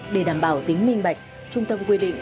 để đảm bảo tính minh bạch trung tâm quy định